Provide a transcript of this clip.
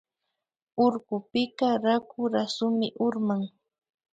Urkupika raku rasumi urman